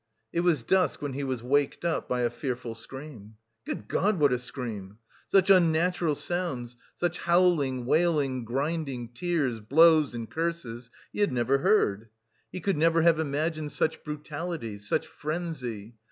It was dusk when he was waked up by a fearful scream. Good God, what a scream! Such unnatural sounds, such howling, wailing, grinding, tears, blows and curses he had never heard. He could never have imagined such brutality, such frenzy.